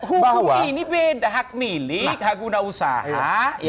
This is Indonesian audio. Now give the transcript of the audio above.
hukum ini beda hak milik hak guna usaha